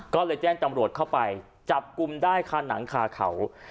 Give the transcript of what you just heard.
ก็แจ้งจำรวจเข้าไปจับกุมใดามนังคาเขา